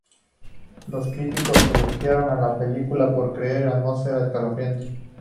Los críticos elogiaron la película por crear una atmósfera escalofriante.